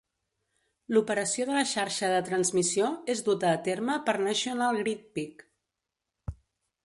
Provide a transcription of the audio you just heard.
L'operació de la xarxa de transmissió és duta a terme per National Grid plc.